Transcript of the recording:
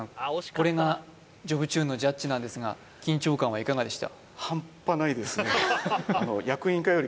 これが「ジョブチューン」のジャッジなんですが緊張感はいかがでした？